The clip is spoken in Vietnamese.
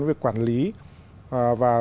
với việc quản lý và